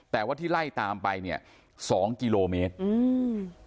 แต่ว่าที่ไล่ตามไปเนี้ยสองกิโลเมตรอืม